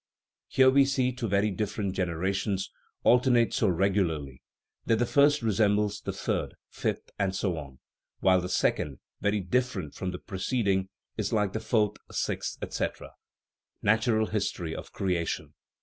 Here we see two very different generations alternate so regularly that the first resembles the third, fifth, and so on ; while the sec ond (very different from the preceding) is like the fourth, sixth, etc. (Natural History of Creation).